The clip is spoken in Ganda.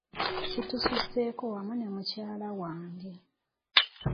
Kitususeko wamu ne mukyala wange.